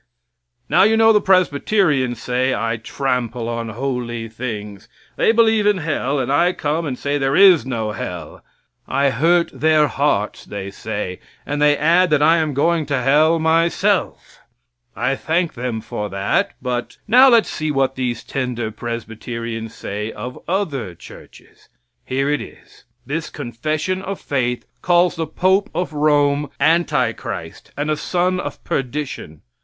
Now you know the Presbyterians say I trample on holy things. They believe in hell and I come and say there is no hell. I hurt their hearts, they say, and they add that I am going to hell myself. I thank them for that; but now let's see what these tender Presbyterians say of other churches. Here it is: This confession of faith calls the pope of Rome anti Christ and a son of perdition.